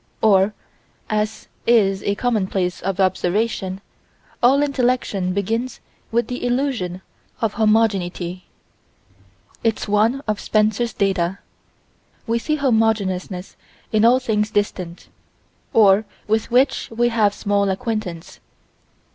Or, as is a commonplace of observation, all intellection begins with the illusion of homogeneity. It's one of Spencer's data: we see homogeneousness in all things distant, or with which we have small acquaintance.